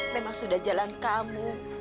memang sudah jalan kamu